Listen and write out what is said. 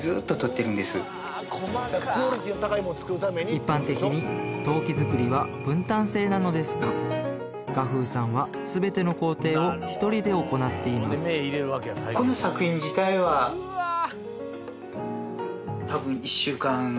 一般的に陶器作りは分担制なのですが雅楓さんはすべての工程を１人で行っていますというところがあってああ